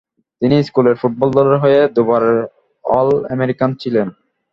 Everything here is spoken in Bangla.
তিনি স্কুলের ফুটবল দলের হয়ে দুবারের অল-আমেরিকান ছিলেন।